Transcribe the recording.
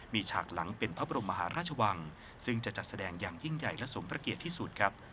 มีฉากหลังเป็นพระบรมมหาราชวังซึ่งจะจัดแสดงอย่างยิ่งใหญ่และสมพระเกียรติที่สุดครับ